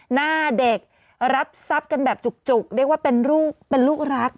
หน้าเด็กรับทรัพย์กันแบบจุกเรียกว่าเป็นลูกรัก